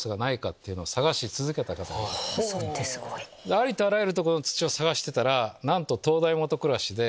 ありとあらゆるとこの土を探してたらなんと灯台下暗しで。